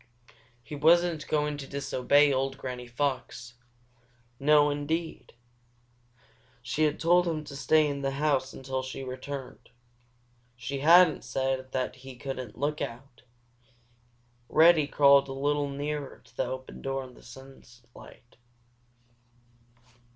He wasn't going to disobey old Granny Fox. Oh, no! No, indeed! She had told him to stay in the house until she returned. She hadn't said that he couldn't look out! Reddy crawled a little nearer to the open door and the sunlight.